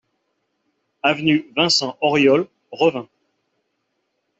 Avenue Vincent Auriol, Revin